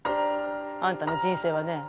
あんたの人生はね